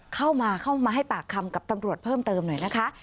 เข้ามาเข้ามาให้ปากคำกับตำรวจเพิ่มเติมหน่อยนะคะ